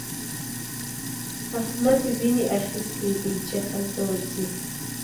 احمد ويني اخيستی دی چې هلته ورځي.